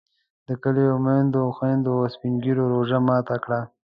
د کلي میندو، خویندو او سپین ږیرو روژه ماته کړه.